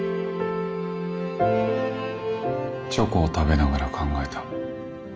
チョコを食べながら考えた。